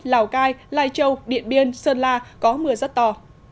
lào cai lai châu điện biên sơn la có mưa rất to